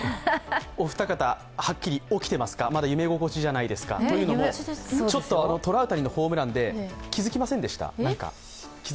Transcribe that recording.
お二方、はっきり起きていますかというのも、ちょっとトラウタニのホームランで気付きませんでした？